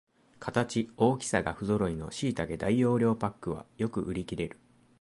形、大きさがふぞろいのしいたけ大容量パックはよく売りきれる